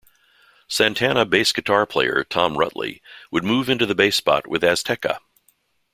Santana bass guitar player Tom Rutley would move into the bass spot with Azteca.